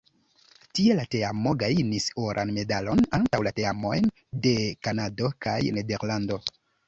Tie la teamo gajnis oran medalon antaŭ la teamoj de Kanado kaj Nederlando.